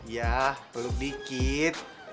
yah peluk dikit